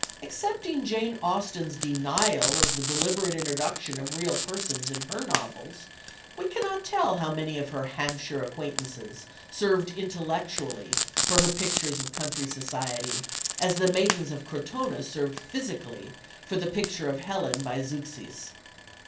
Accepting Jane Austen's denial of the deliberate introduction of real persons in her novels, we cannot tell how many of her Hampshire acquaintances served intellectually for her pictures of country society as the maidens of Crotona served physically for the picture of Helen by Zeuxis.